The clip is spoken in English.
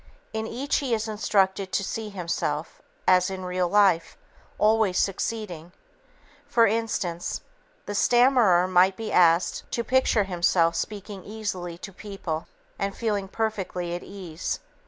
In each he is instructed to see himself 'as in real life' always succeeding. For instance, the stammerer might be asked to picture himself speaking easily to people, and feeling perfectly at ease.